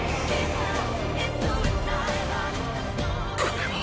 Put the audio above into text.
これは！！